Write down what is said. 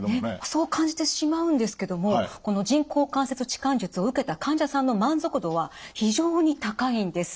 そう感じてしまうんですけどもこの人工関節置換術を受けた患者さんの満足度は非常に高いんです。